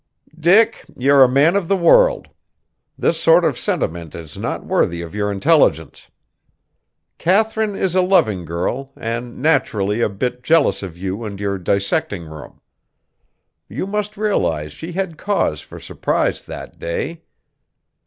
"Dick, you're a man of the world; this sort of sentiment is not worthy of your intelligence. Katharine is a loving girl and naturally a bit jealous of you and your dissecting room. You must realize she had cause for surprise that day?